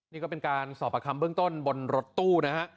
นี่ก็เป็นการสอบประคำเบื้องต้นบนรถตู้นะฮะ